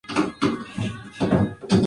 Habita en zonas montanas de Europa occidental.